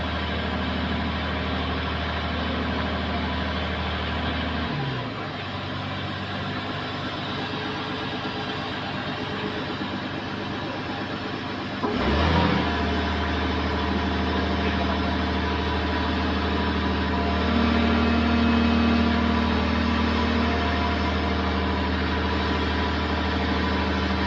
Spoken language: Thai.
สิ่งที่ต้องทำให้จริงคือจับไว้ให้เห็นและยอดลงไป